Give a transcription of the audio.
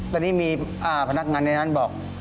ตอนนี้มีพนักงานในนั้นบอก